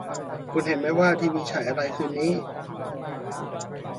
คุณเห็นมั้ยว่าทีวีฉายอะไรคืนนี้